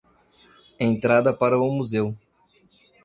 Entrada para o museu